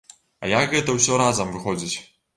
А як гэта ўсё разам выходзіць?